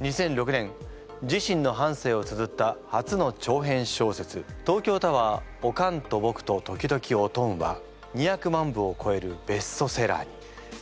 ２００６年自身の半生をつづった初の長編小説「東京タワーオカンとボクと、時々、オトン」は２００万部をこえるベストセラーに。